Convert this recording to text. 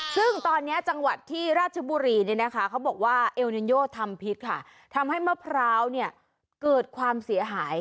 ซึ่งตอนเนี้ยจังหวัดที่ราชบุรีเนี้ยนะคะ